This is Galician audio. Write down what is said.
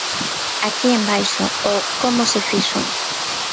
Aquí embaixo, o 'como se fixo'.